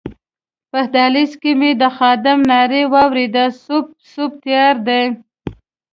په دهلېز کې مې د خادم نارې واورېدې سوپ، سوپ تیار دی.